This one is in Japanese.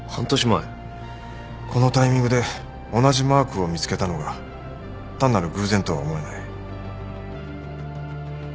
このタイミングで同じマークを見つけたのが単なる偶然とは思えない。